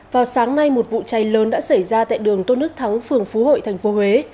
vào sáng nay một vụ cháy lớn đã xảy ra tại đường tôn đức thắng phường phú hội tp huế